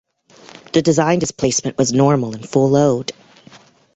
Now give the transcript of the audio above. The design displacement was normal and full load.